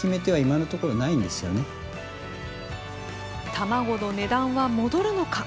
卵の値段は戻るのか。